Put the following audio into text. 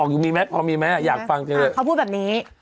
เขาพูดแบบนี้